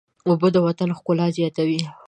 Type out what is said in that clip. اوبه د وطن ښکلا زیاتوي.